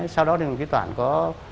sau đó thủ đoạn có